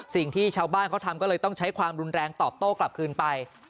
สิ่งที่ชาวบ้านเขาทำก็เลยต้องใช้ความรุนแรงตอบโต้กลับคืนไป